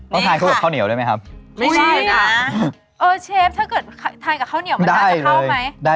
ไม่มันจะเอาหั่วน้ำเค้าด้วยนะ